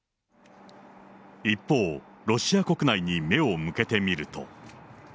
一方、ロシア国内に目を向けてみると。